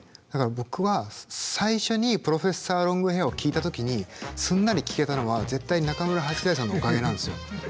だから僕は最初にプロフェッサー・ロングヘアを聴いた時にすんなり聴けたのは絶対中村八大さんのおかげなんですよ。